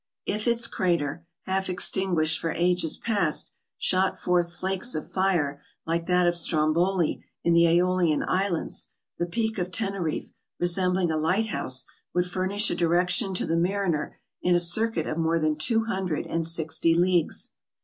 If its crater, half extinguished for ages past, shot forth flakes of fire like that of Stromboli in the ^Eolian islands, the Peak of Teneriffe, resembling a light house, would furnish a direction to the mariner in a circuit of more than two hundred and sixty leagues.